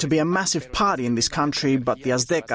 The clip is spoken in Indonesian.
bagaimana penonton kita akan bergembira dengan kegembiraan